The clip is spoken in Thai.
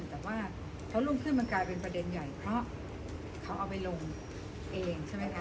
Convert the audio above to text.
แต่ว่าพอรุ่งขึ้นมันกลายเป็นประเด็นใหญ่เพราะเขาเอาไปลงเองใช่ไหมคะ